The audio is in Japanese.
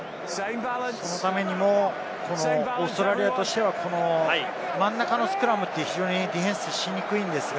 そのためにもオーストラリアとしては真ん中のスクラムって非常にディフェンスしにくいんですが。